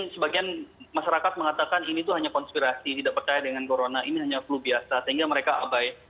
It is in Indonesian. sebagian masyarakat mengatakan ini tuh hanya konspirasi tidak percaya dengan corona ini hanya flu biasa sehingga mereka abai